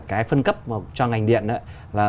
cái phân cấp cho ngành điện đó là